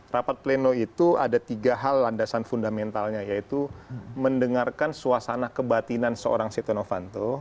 rapat pleno itu ada tiga hal landasan fundamentalnya yaitu mendengarkan suasana kebatinan seorang sitonofanto